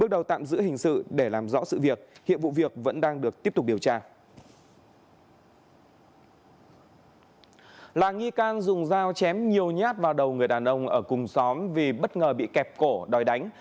là nghi can dùng dao chém nhiều nhát vào đầu người đàn ông ở cùng xóm vì bất ngờ bị kẹp cổ đòi đánh